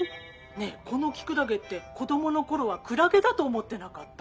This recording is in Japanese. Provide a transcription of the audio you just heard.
ねえこのキクラゲって子どもの頃はクラゲだと思ってなかった？